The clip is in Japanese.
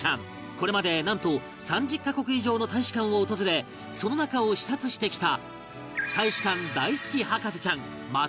これまでなんと３０カ国以上の大使館を訪れその中を視察してきた